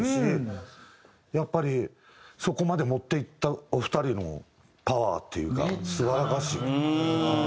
やっぱりそこまで持っていったお二人のパワーっていうか素晴らしい。